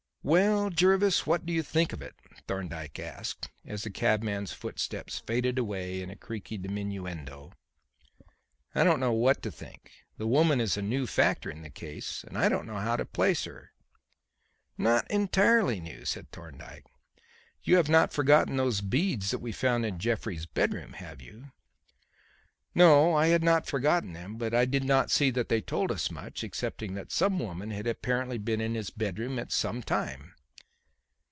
"Well, Jervis; what do you think of it?" Thorndyke asked, as the cabman's footsteps faded away in a creaky diminuendo. "I don't know what to think. This woman is a new factor in the case and I don't know how to place her." "Not entirely new," said Thorndyke. "You have not forgotten those beads that we found in Jeffrey's bedroom, have you?" "No, I had not forgotten them, but I did not see that they told us much excepting that some woman had apparently been in his bedroom at some time."